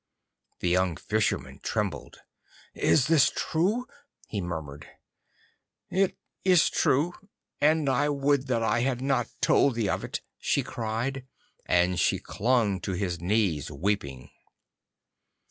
The young Fisherman trembled. 'Is this true?' he murmured. 'It is true, and I would that I had not told thee of it,' she cried, and she clung to his knees weeping.